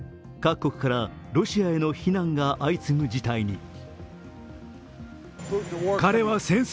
各国からロシアへの非難が相次ぐ事態に。